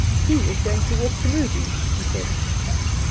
He was going to walk to Moodie's, he said.